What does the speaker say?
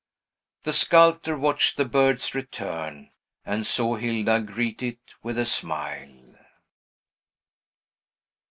The sculptor watched the bird's return, and saw Hilda greet it with a smile.